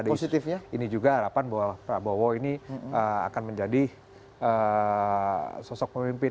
ada positifnya ini juga harapan bahwa prabowo ini akan menjadi sosok pemimpin